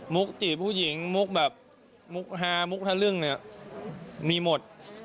มุกจีบผู้หญิงมุกแบบมุกฮามุกทะเรื่องนี่มีหมด